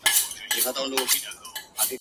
کرۍ ورځ دلته آسونه ځغلېدله ..